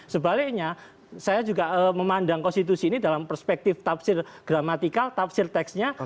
sebaliknya saya juga memandang konstitusi ini dalam perspektif tafsir gramatikal tafsir teksnya